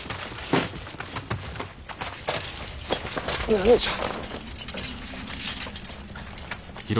何じゃ。